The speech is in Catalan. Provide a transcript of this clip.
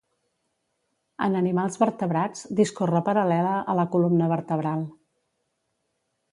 En animals vertebrats discorre paral·lela a la columna vertebral.